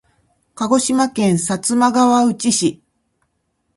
鹿児島県薩摩川内市